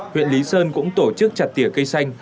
huyện lý sơn cũng tổ chức chặt tỉa cây xanh